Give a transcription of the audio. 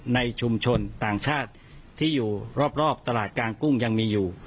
ในชุมชนต่างชาติที่อยู่รอบตลาดกลางกุ้งยังมีอยู่